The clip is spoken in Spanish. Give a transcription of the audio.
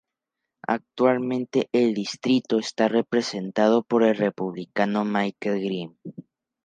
Actualmente el distrito está representado por el Republicano Michael Grimm.